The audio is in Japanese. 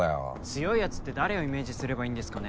強いやつって誰をイメージすればいいんですかね？